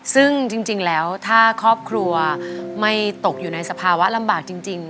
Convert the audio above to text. ซึ่งจริงแล้วถ้าครอบครัวไม่ตกอยู่ในสภาวะลำบากจริง